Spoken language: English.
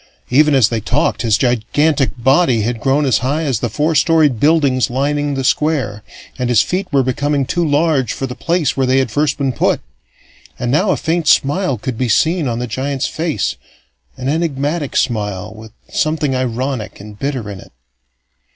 Even as they talked, his gigantic body had grown as high as the four storied buildings lining the Square, and his feet were becoming too large for the place where they had first been put. And now a faint smile could be seen on the giant's face, an enigmatic smile, with something ironic and bitter in it.